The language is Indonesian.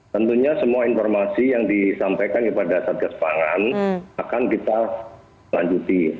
tentunya semua informasi yang disampaikan kepada satgas pangan akan kita lanjuti